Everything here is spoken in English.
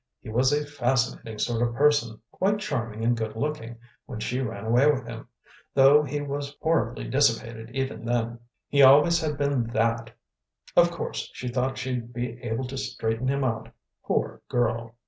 "He was a fascinating sort of person, quite charming and good looking, when she ran away with him, though he was horribly dissipated even then. He always had been THAT. Of course she thought she'd be able to straighten him out poor girl!